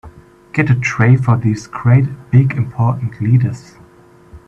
Get a tray for these great big important leaders.